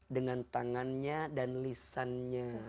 dengan tangannya dan lisannya